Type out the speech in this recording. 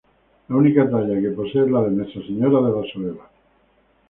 La única talla que poseen es la de "Nuestra Señora de la Soledad".